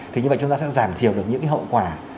thì như vậy chúng ta sẽ giảm thiểu được những cái hậu quả